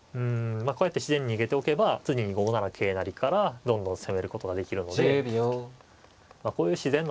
まあこうやって自然に逃げておけば次に５七桂成からどんどん攻めることができるのでまあこういう自然な手が一番いいですよね。